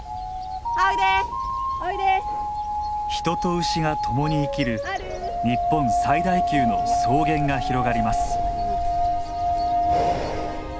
人と牛が共に生きる日本最大級の草原が広がります。